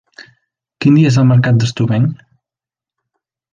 Quin dia és el mercat d'Estubeny?